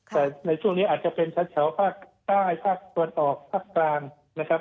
แต่ในช่วงนี้อาจจะเป็นแถวภาคใต้ภาคตะวันออกภาคกลางนะครับ